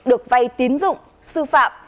được vay tín dụng sư phạm